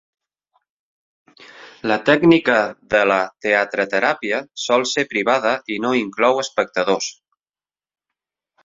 La tècnica de la teatreteràpia sol ser privada i no inclou espectadors.